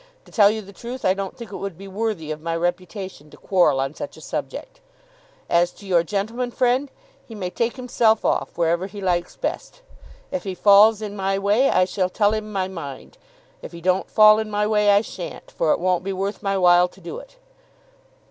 To tell you the truth, I don't think it would be worthy of my reputation to quarrel on such a subject. As to your gentleman friend, he may take himself off, wherever he likes best. If he falls in my way, I shall tell him my mind; if he don't fall in my way, I shan't, for it won't be worth my while to do it.